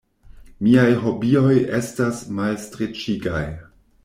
Miaj hobioj estas malstreĉigaj.